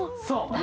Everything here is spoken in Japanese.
そう。